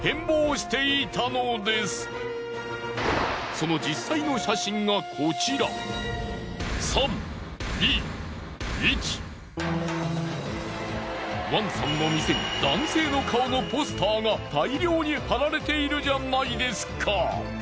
そのワンさんの店に男性の顔のポスターが大量に貼られているじゃないですか！